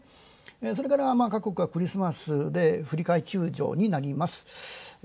それから各国はクリスマスで振り替え休場。